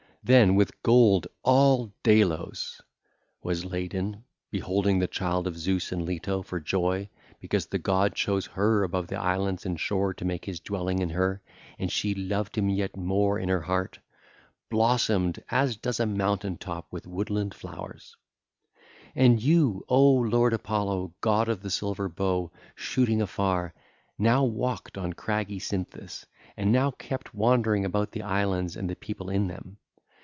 Then with gold all Delos was laden, beholding the child of Zeus and Leto, for joy because the god chose her above the islands and shore to make his dwelling in her: and she loved him yet more in her heart, and blossomed as does a mountain top with woodland flowers. (ll. 140 164) And you, O lord Apollo, god of the silver bow, shooting afar, now walked on craggy Cynthus, and now kept wandering about the island and the people in them.